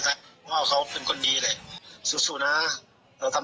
ใช่สิดาตอบครับก็จะไม่เลียกด้วยพ่อนะครับ